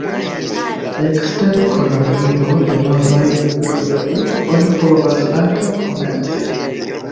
Ekster koloniigo de novaj grundoj oni povas ankaŭ komerci.